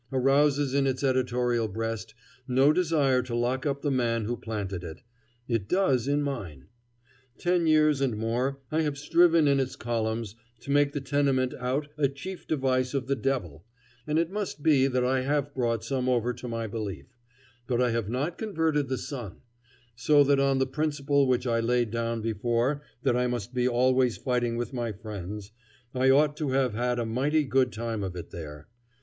arouses in its editorial breast no desire to lock up the man who planted it; it does in mine. Ten years and more I have striven in its columns to make the tenement out a chief device of the devil, and it must be that I have brought some over to my belief; but I have not converted the Sun. So that on the principle which I laid down before that I must be always fighting with my friends, I ought to have had a mighty good time of it there.